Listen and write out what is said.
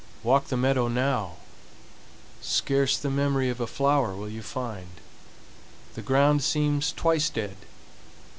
Walk the meadow now! Scarce the memory of a flower will you find. The ground seems twice dead.